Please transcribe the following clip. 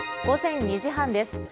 午前２時半です。